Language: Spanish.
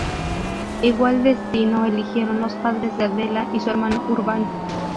Igual destino eligieron los padres de Adela y su hermano Urbano.